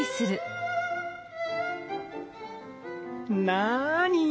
なに？